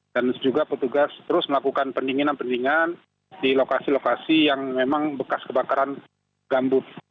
dan juga petugas terus melakukan pendinginan pendinginan di lokasi lokasi yang memang bekas kebakaran gambut